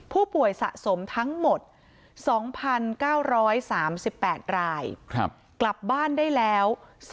ผู้ป่วยสะสมทั้งหมด๒๙๓๘รายกลับบ้านได้แล้ว